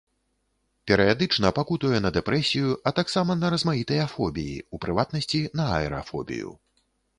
Перыядычна пакутуе на дэпрэсію, а таксама на размаітыя фобіі, у прыватнасці на аэрафобію.